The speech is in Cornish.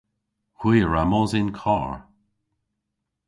Hwi a wra mos yn karr.